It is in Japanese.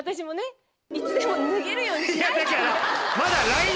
いやだから。